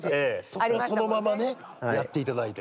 そこはそのままねやって頂いて。